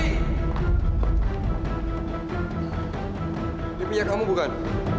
ini punya kamu bukan